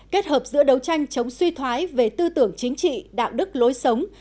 kết hợp giữa đấu tranh chống suy thoái về tư tưởng chính trị đạo đức lối sống